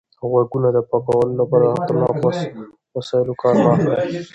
د غوږونو د پاکولو لپاره له خطرناکو وسایلو کار مه اخلئ.